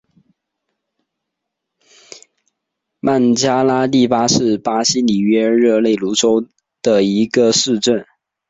曼加拉蒂巴是巴西里约热内卢州的一个市镇。